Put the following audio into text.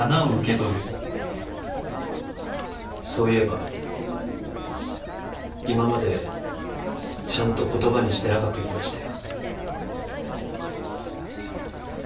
そういえば今までちゃんと言葉にしてなかった気がして。